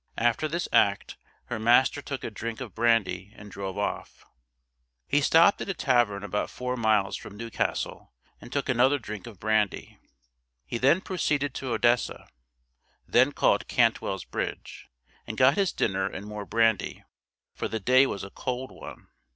After this act her master took a drink of brandy and drove off. He stopped at a tavern about four miles from New Castle and took another drink of brandy. He then proceeded to Odessa, then called Cantwell's Bridge, and got his dinner and more brandy, for the day was a cold one.